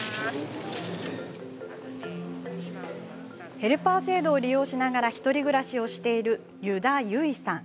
ヘルパー制度を利用しながら１人暮らしをしている油田優衣さん。